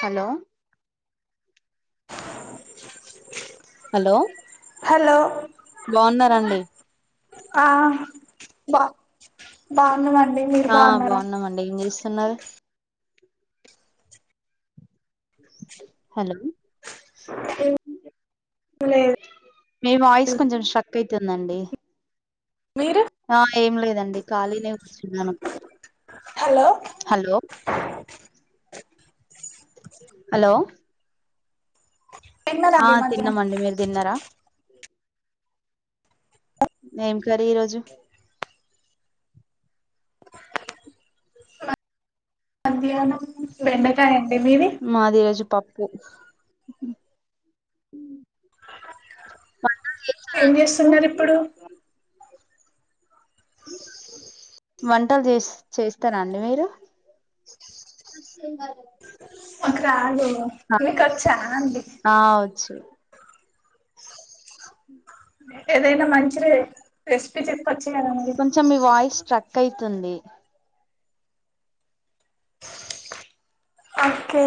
Hello [inaudible] hello hello బావున్నారండీ ఆహ్ బా బాగున్నమండి మీరు బాగున్నారా ఉన్నారు హలో లేదు మీ వాయిస్ కొంచెం స్ట్రక్ అయితుందండి మీరేం ఆహ్ ఏం లేదండి ఖాళీనే సిగ్నల్.. హలో హలో హలో ఆ తిన్నారండి మధ్యాహ్నం తిన్నమండి మీరు తిన్నారా ఏం కర్రీ ఈరోజు మధ్యానం బెండకాయండి మాదిరోజు పప్పు పో.. వ ట జేశారా ఏం అండి చేస్తున్నారు ఇప్పుడు మీరు వంటలు జెస్ చేస్తారా అండి మీరు మంట [unintelligible] నాకు రాదు మీకు అచ్చఅండి అచ్చ [inaudible] ఏదైనా మంచి రెసిపీ చెప్ కొంచెం మీ వాయిస్ స్ట్రక్ క్ అయితుంది ఓకే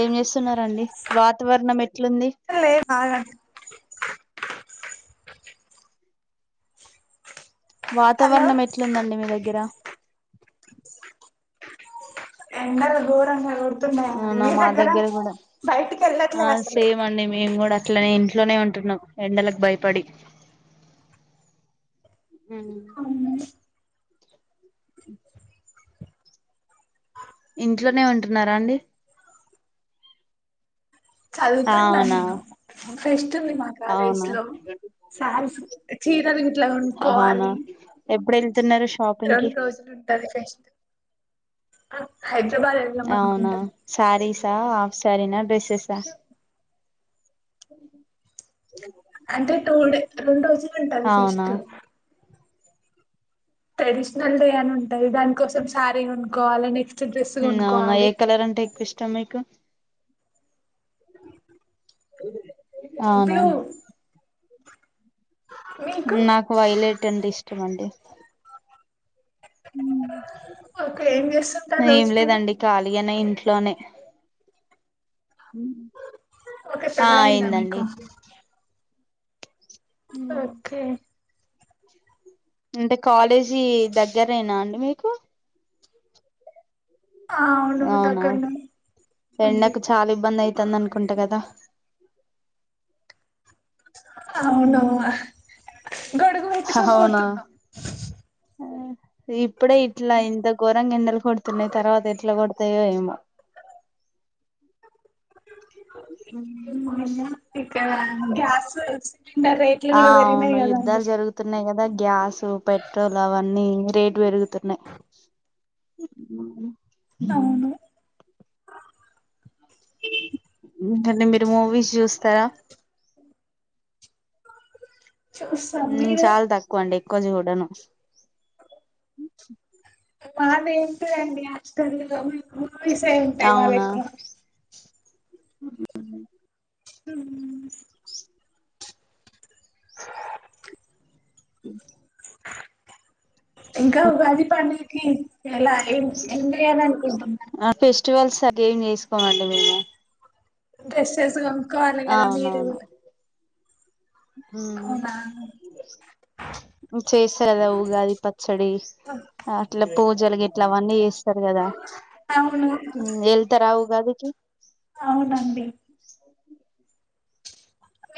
ఏం చేస్తున్నండి వాతావరణం ఎట్లుంది లేదు ఆగండి హలో వాతావరణం ఎట్లుందండి మీ దగ్గర ఎండలు గోరంగా గోడ్ అవునా మా దగ్గర గూడా బయటికి వెళ్ళట్లే ఆ అసలు సేమ్ అండి మేము గూడా ఇట్లా నేను ఇంట్లోనే ఉంటున్నా ఎండలకు భయపడి అ ఇంట్లోనే ఉంటున్నారా అండి చదువుతుంటా అవునా నేను ఫెస్ట్ ఉంటుంది మా కాలేజ్ అవునా లో సార్స్ చీరలు ఇట్లా అవునా కొనుకోవాలి ఎప్పుడు వెళ్తున్నారు షాపింగ్ కి రెండు రోజులు ఉంటది పేస్ట్ అవునా సారీస్ హఫ్ సారీన డ్రెస్సస్ అంటే టూ డే రెండు రోజులు ఉంటది అవునా ఫెస్ట్ ట్రెడిషనల్ డే అని ఉంటయి దానికోసం శారీ కొనుకోవాలని అవునా ఏ కలర్ అంటే ఎక్కువ ఇష్టం మీకు అవునా బ్లూ మీకు నాకు వైలెట్ అంటే ఇష్టం అండి ఓకే ఏం చేస్తుంటారు ఏం రోజు మరి లేదండి ఖాళీగనే ఇంట్లోనే ఓకే ఆ పెళ్ళయిందా మీకు అయిందండి ఓకే అంటే కాలేజీ దగ్గరేనా అండి మీకు అవును అవునా దగ్గరనే అండి ఎండకు చాలా ఇబ్బంది అయితంది అనుకుంటా కదా అవున ఉమ్ గడుగు పెట్టుకొని అవునా పోతున్నాం ఇప్పుడే ఇట్లా ఇంతఘోరంగా ఎండెలు కొడుతున్నాయి తర్వాత ఇట్లా కొడు తదే ఏమో క గ్యాస్ వ [unintelligible] ఆ అవును యుద్ధాలు జరుగుతున్నాయి కదా గ్యాస్ పెట్రోల్ అవన్నీ రేటు పెరుగుతున్నాయి. అవును ఇంక అండి మీరు మూవీస్ చూస్తారా చూస్తాం మీరు చాలా తక్కువ అండి ఎక్కువ చూడను. మాదే ఏంటి అండి హాస్టల్లో మేము మూవీస్ ఏ ఉంటాయి మావి అవునా ఎక్కువ ఉ ఇంకా ఉగాది పండకి ఎలా ఏం ఏమ్ చేయాలి అనుకుంటరు ఫెస్టివల్స్ అ ఏం చేసుకోనండి మేము డ్రెసెస్ కొనుకోవాలా కదా మీరు అవునా ఉమ్ చేస్తార గాదా ఊగాది పచ్చడి అట్లా పూజలు ఇట్లావన్నీ చేస్తారు కదా అవును వెళ్తరా ఉగాదికి అవునండి.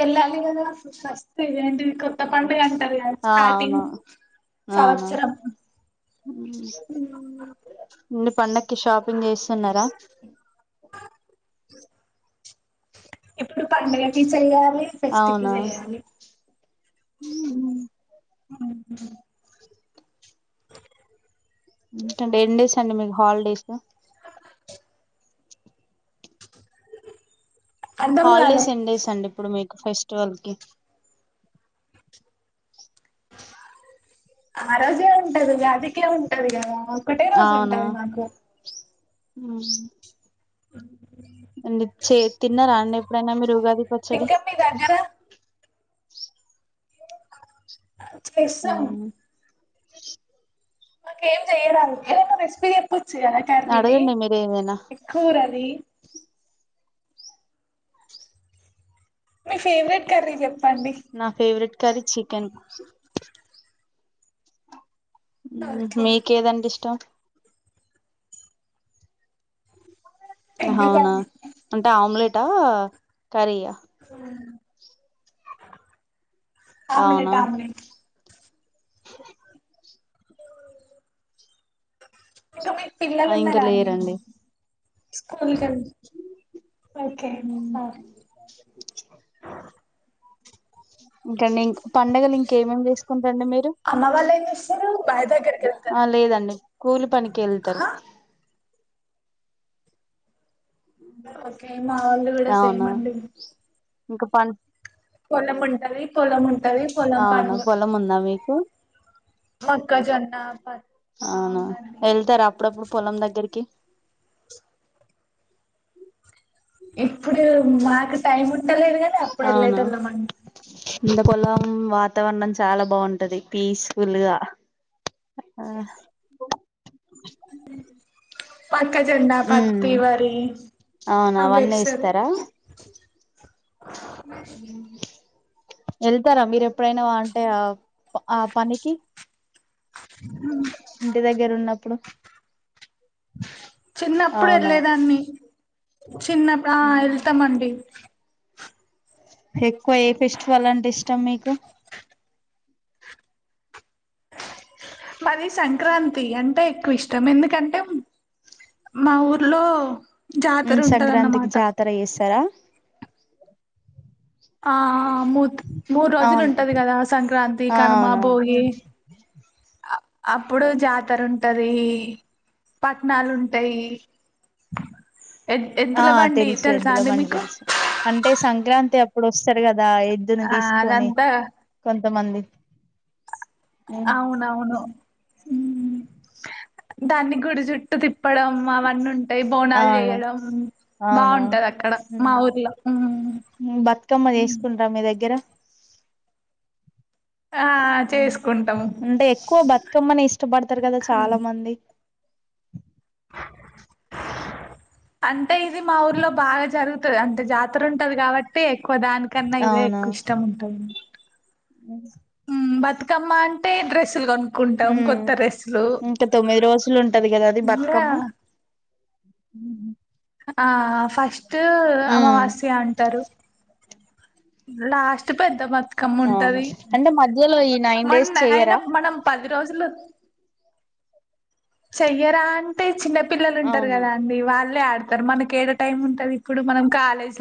ఎల్లాలి కదా ఫస్ట్ ఇదే కొత్త పండుగంటరు గద ఆ అవును స్టార్టింగ్ సంవత్సరం ఉమ్ ఇన్ని పన్ను షాపింగ్ చేస్తున్నరా ఇప్పుడు పండుగకి చెయ్యాలి ఫెస్ట్ కి చెయ్యాలి ఉమ్ హు అ ఆ ఎన్ని డేస్ అండి మీకు హాలిడేసు [inaudible] కాలే హాల్డేస్ ఎన్డేస్ అండి ఇప్పుడు మీకు ఫెస్టివల్ కి ఆ రోజే ఉంటది ఉగాదికే ఉం టది గదా ఒక్కటే రోజు ఉంటది మాకు ఉమ్ [inaudible] చేస్ తిన్నరా అండి ఎప్పుడైనా మీరు పచ్చడి ఇంకా మీ దగ్గర ఆ చేస్తాం మాకేం జెయ్యరాదు ఏదైనా రెసిపీ చెప్పు చ్చ కద కర్రిని అడగండి మీరు ఏదైనా కూరది మీ ఫెవరెట్ కర్రీ జెప్ నా ఫేవరెట్ కర్రీ చికెన్ ఓకే మీకేదంటే ఇష్టం ఎగ్ హవునా కర్రీ అంటే ఆమ్లేట్ టా కరీయా ఆమ్లెట్ ఆమ్లేట్ ఇంక మీకు పిల్లలు ఆ ఇంకా ఉన్నరా అండి లేరండి స్కూల్ కెల్త్ ఒకే [unintelligible] పండుగలు ఇంకేమేమ్ చేసుకుంటరండి మీరు అమ్మ వాళ్ళు ఏం చేస్తారు బావి దగ్గరికి వెళ్తారా ఆ లేదండి కూలి పనికెళ్తరు ఒకే మా ఒళ్ళు కూడా సేమ్ అండి. ఇంక పన్ పొలం ఉంటది పొలం ఉంటది పొలం అవునా పనులు పొలం ఉందా మీకు మాక్ అవునా వెళ్తరా అప్పుడప్పుడు పొలం దగ్గరికి ఎప్పుడు మాకు టైం ఉంటలేదుగద అప్పుడు ఎల్లేటోల్లమండి కిందపొలం వాతావరణం చాలా బావుంటది పీస్ ఫుల్గా ఆ మక్కజొన్న, ఉమ్ పత్తి, వరి అవునా అవన్నీ అవేస్తరు వెళ్తరా మీరు ఎప్పుడైనా రా అంటే రావ్ ఆ పనికి ఇంటి దగ్గర ఉన్నప్ ప్పుడు చిన్నప్పుడు ఎళ్లేదాన్ని చిన్నప్పుడు ఆ ఎళ్తమండి ఎక్కువ ఏ ఫెస్టివల్ అంటే ఇష్టం మీకు. మరి సంక్రాంతి అంటే ఎక్కువ ఇష్టం ఎందుకంటే మా ఊర్లో ఉమ్ సంక్రాంతికి జాతరుంటదనమాట జాతర చేస్తారా ఆ ఆ మూత్ మూడు రోజులు అవును ఉంటది కదా సంక్రాంతి, ఆ కనుమ, అవునవును భోగి అప్పుడు జాతర ఉంటది పట్నాాలుంటయి. ఆ తెలుసు తెలుసా ఎద్దుల అండి బండి మీకు తెలుసు అంటే సంక్రాంతి అప్ ఇప్పుడు వస్తారు కదా ఎద్దుని ఆ తీసుకొని అదంతా కొంతమంది ఉమ్, అవునవును ఉమ్మ్ దాన్ని గుడి చుట్టు తిప్పడం అవన్నీ ఉంటా టాయ్ బోండాల్ అవును చేయడం అవునా బాగుంటది అక్కడ మా ఊర్లో ఉం బతుకమ్మ చేసుకుంటారా మీ దగ్గర ఆ ఉం చేసుకుంటాము అంటే ఎక్కువ బతుకమ్మని ఇష్టపడతారు కదా చాలా మంది అంటే ఇది మా ఊర్లో బాగా జరుగుతది అంటే జాతర ఉంటది కాబట్టి కో దానికన్నా ఇదే ఎక్కువ ఇష్టం ఉంటది [inaudible] ఉ బతుకమ్మ అంటే డ్రెస్ ఉమ్మ్ ఇంకా తొమ్మిది రోజులు ఉంటది కదా అది బతుకమ్మ ఇంగా హ ఆ ఫస్టు ఉమ్ అమావాస్య అంటారు. లాస్ట్ పెద్ద మొత్త అంటే మధ్యలో ఈ నైన్ డేస్ మన అయినా చెయరా మనం పది రోజులూ చెయ్యరా అంటే చిన్న పిల్లలు ఉంటారు అవును కదా అండి వాళ్ళు ఇప్పుడే ఆడతారు మనకి ఏది టైం ఉంటంది ఇప్పుడు మనం కాలేజ్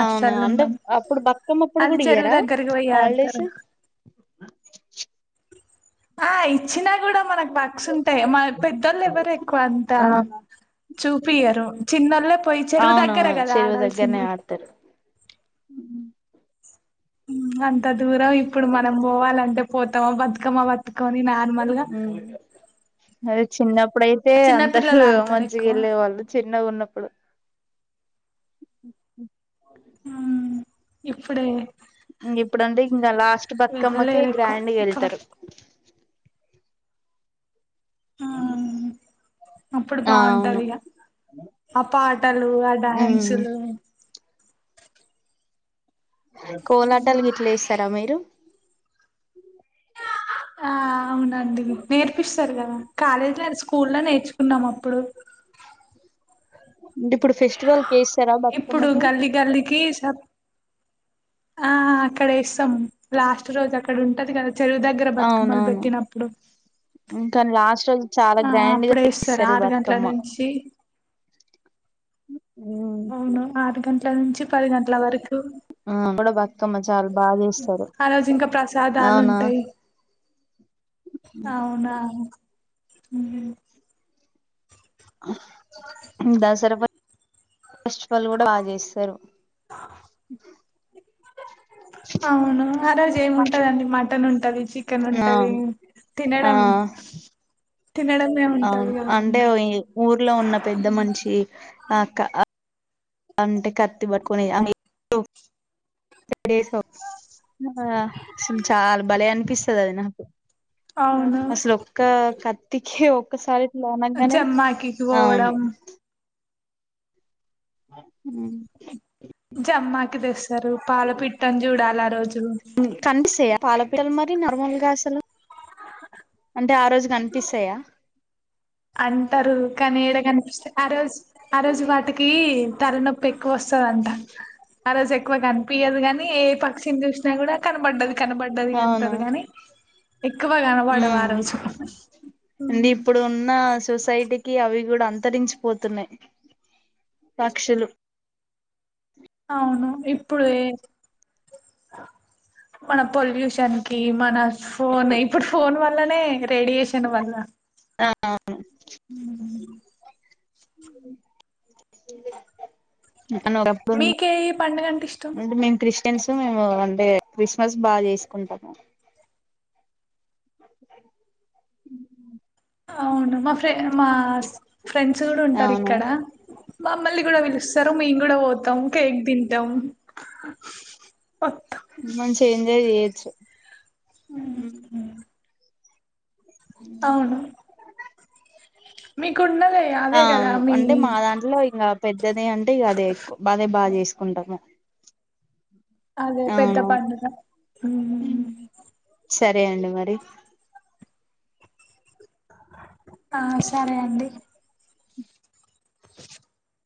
అవును అంటే అప్పుడు బతుకమ్ అప్పుడు అది కూడా చెరువు ఇయ్యరా దగ్గరకి పోయి హాలిడేస్ ఆడతారు ఆ ఆ ఇచ్చినా కూడా మనకు వర్క్స్ ఉంటాయ్ పెద్దళ్లు ఎవరు ఎక్కువ అంతా అవును చూపియారు చిన్నళ పోయి చెరువు దగ్గర అవునవును కదా చెరువు దగ్గరనే ఆడాల్సింది. ఆడతారు అంత దూరం ఇప్పుడు మనం పోవాలంటే పోతామా బతుకమ్మ బతుక్ నార్మల్గా అది చిన్నప్పుడయితే అందరు ఆడతారు మంచిగా ఎక్కువ వెళ్ళే వాళ్ళు చిన్నగున్నప్పుడు అ ఉమ్మ్ ఇప్పుడే ఇ ఇప్పుడుంటే ఇంకా లాస్ట్ బతుకమ్మకే వెళ్ళలేరు ఎక్కువ గ్రాండ్ గ వెళ్తారు. అ అప్పుడు బాగుంటాదిక ఆ పాటలు ఆ ఉమ్ డ్యాన్సులు కోలాటాలకి ఎట్లా ఇస్తారా మీరు ఆ అవునండి నేర్పిస్తారు కదా కాలేజీ లో స్కూల్ లో నేర్చుకున్నాం అప్పుడు అంటే ఇప్పుడు ఫెస్టివల్ కే ఇస్తారా ఇప్పుడు బతుకమ్మకి గల్లీ గల్లీకి ఆ అక్కడ ఇస్తాం లాస్ట్ రోజు అక్కడ ఉంటది కదా చెరువు దగ్గర బతుకమ్మలు పెట్టినప్పుడు ఇంకాని లాస్ట్ రోజు చాలా ఆ గ్రాండ్ గా అప్పుడు వేస్తారు తీస్తారు ఆరు గంటల బతుకమ్మ నుంచి ఉమ్. అవును ఆరు గంటల నుంచి పది గంటల వరకు ఆ కూడా బక్కమ్మ చాలా బాగా చేస్తారు ఆ రోజు ఇంకా ప్రసాదాలు అవునా ఉంటాయి అవునా హు దసరా బత ఫస్ఫల్ కూడా బాగా చేస్తారు అవును ఆ రోజు ఏమింటదండి మటన్ ఉంటది చికెన్ ఆ ఉంటది ఆ తినడం తినడమే ఉంటది అవును కదండి అంటేఊర్లో ఉన్న పెద్దమనిషి ఆక్క అంటే కత్తి పట్టుకనే త్రీ సోప్ హా అసలు చాలా భలే అనిపిస్తుంది వదిన అవును అసలు ఒక్క కత్తికి ఒక్కసారి నంగానే జమ్మాకి అవును పోవడం ఉ జమ్మాకి తెస్తారు పాల పిట్టని చూడాలి ఆ రోజు నార్మల్గా అసలు అంటే ఆ రోజు కనిపిస్తాయా అంటారు కానీ కనిపిస్తా ఆ రోజు ఆ రోజు వాటికి కి తలనొప్పి ఎక్కువ వస్తది అంట ఆరోజు ఎక్కువ కనిపయదు కాగాని ఏ పక్షిని చూసినా కూడా కనపడ్డది కనపడ్డది అవును అంటారు గాని ఎక్కువ కనపడవా ఉమ్ ఆరోజు అంటే ఉమ్ ఇప్పుడు ఉన్న సొసైటీకి అవి కూడా అంతరించిపోతున్నాయి పక్షులు అవును ఇప్పుడే [inaudible] మన పొల్యూషన్ కి మన ఫోన్ ఇప్పుడు ఫోన్ వల్లనే రేడియేషన్ వల్ల ఆ ను [inaudible] అని ఒకప్పుడు మీకే ఏ పండుగ ఇష్టం అంటే మేము కృ క్రిస్టియన్స్ మేము అంటే క్రిస్మస్ బాగా చేసుకుంటాము [inaudible] అవును మ ఫ మా ఫ్రెండ్స్ కూడా ఉంటారు అవును ఇక్కడ మమ్మల్ని కూడా పిలుస్తారు మేము కూడా పోతాం కేక్ తింటాం వత్తాం మంచిగా ఎంజాయ్ చెయ్యొచ్చు ఉమ్ అవును మీకున్నద ఆ అదే కదా మీ ఇదే అంటే అదే ఎక్కువ అదే బాగా చేసుకుంటాము అదే పెద్ద అవును పండుగ ఉమ్ సరే అండి మరి ఆ సరే అండి. [inaudible]